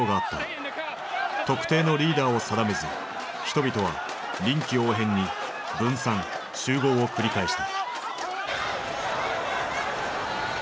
特定のリーダーを定めず人々は臨機応変に分散・集合を繰り返した。